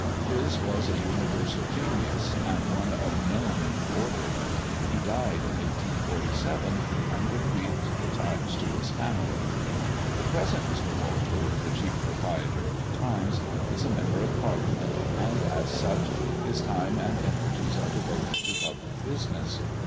His was a universal genius, and one of no mean order. He died in 1847, and bequeathed the Times to his family. The present Mr. Walter, the chief proprietor of the Times, is a member of Parliament, and, as such, his time and energies are devoted to public business.